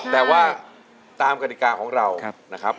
แต่ว่าตามกฎิกาของเรานะครับ